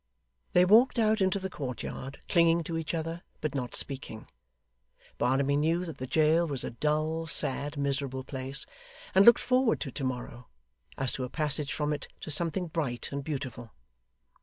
They walked out into the courtyard, clinging to each other, but not speaking. Barnaby knew that the jail was a dull, sad, miserable place, and looked forward to to morrow, as to a passage from it to something bright and beautiful.